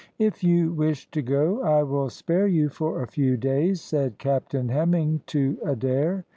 "If you wish to go I will spare you for a few days," said Captain Hemming to Adair.